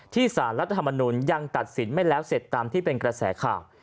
สารรัฐธรรมนุนยังตัดสินไม่แล้วเสร็จตามที่เป็นกระแสข่าว